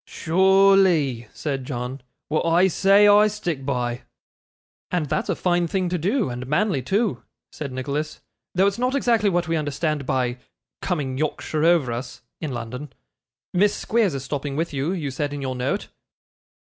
'Sure ly,' said John. 'Wa'at I say, I stick by.' 'And that's a fine thing to do, and manly too,' said Nicholas, 'though it's not exactly what we understand by "coming Yorkshire over us" in London. Miss Squeers is stopping with you, you said in your note.